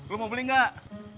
lo mau beli gak